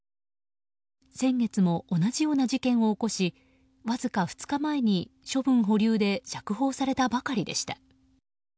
先月も同じような事件を起こしわずか２日前に処分保留で釈放されたばかりでした。